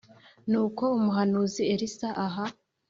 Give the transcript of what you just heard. Nuko umuhanuzi Elisa aha